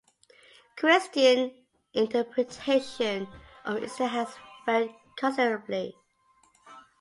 Christian interpretation of the incidents has varied considerably.